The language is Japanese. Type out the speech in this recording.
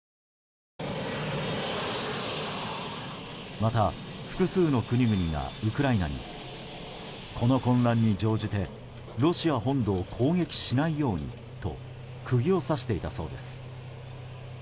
また複数の国々がウクライナにこの混乱に乗じてロシア本土を攻撃しないようにと釘を刺していたそうです。